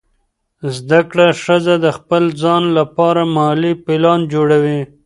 زده کړه ښځه د خپل ځان لپاره مالي پلان جوړوي.